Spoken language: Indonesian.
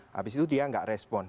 habis itu dia nggak respon